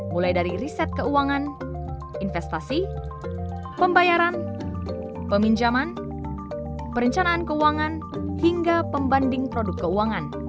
mulai dari riset keuangan investasi pembayaran peminjaman perencanaan keuangan hingga pembanding produk keuangan